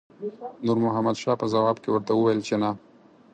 نور محمد شاه په ځواب کې ورته وویل چې نه.